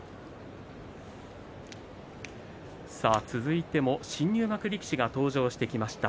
続いても新入幕力士が登場してきました。